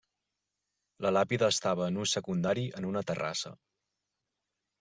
La làpida estava en ús secundari en una terrassa.